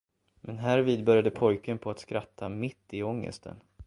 Men härvid började pojken på att skratta mitt i ångesten.